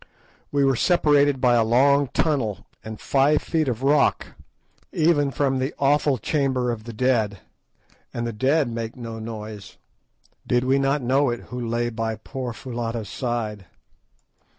We were separated by a long tunnel and five feet of rock even from the awful chamber of the Dead; and the dead make no noise. Did we not know it who lay by poor Foulata's side?